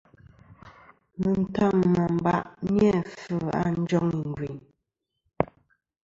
Mɨtam mɨ amba ni-a vfɨ a njoŋ igvɨyn.